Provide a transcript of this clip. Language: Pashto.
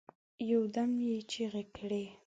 یو دم یې چیغي کړې